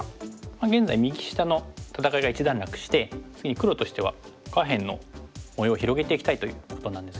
現在右下の戦いが一段落して次に黒としては下辺の模様を広げていきたいということなんですけども。